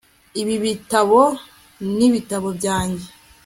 Ibi bitabo nibitabo byanjye